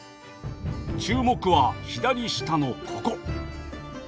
注目は左下のここ！